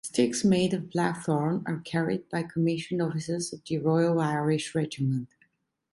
Sticks made of Blackthorn are carried by commissioned officers of the Royal Irish Regiment.